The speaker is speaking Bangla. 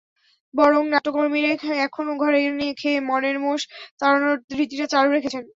বরং নাট্যকর্মীরা এখনো ঘরের খেয়ে বনের মোষ তাড়ানোর রীতিটা চালু রেখেছেন।